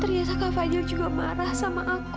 ternyata kak fajar juga marah sama aku